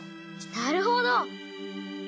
なるほど！